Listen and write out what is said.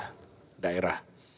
dan juga pemerintah daerah